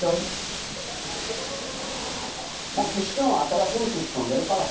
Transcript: もう岸君は新しい道進んでるから。